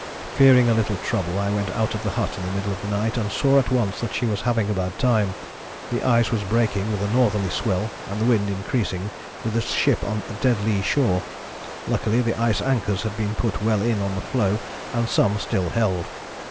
"Fearing a little trouble I went out of the hut in the middle of the night and saw at once that she was having a bad time the ice was breaking with a northerly swell and the wind increasing, with the ship on dead lee shore; luckily the ice anchors had been put well in on the floe and some still held.